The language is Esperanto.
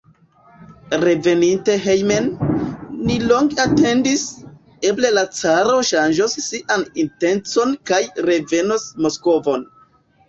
Reveninte hejmen, ni longe atendis: eble la caro ŝanĝos sian intencon kaj revenos Moskvon.